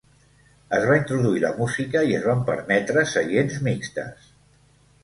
Es va introduir la música i es van permetre seients mixtes.